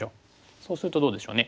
そうするとどうでしょうね。